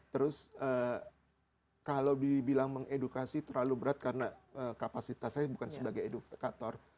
terus kalau dibilang mengedukasi terlalu berat karena kapasitas saya bukan sebagai edukator